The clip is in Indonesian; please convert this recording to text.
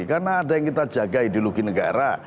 karena ada yang kita jaga ideologi negara